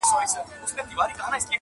تور د هرې بدۍ پورې په ساقي شو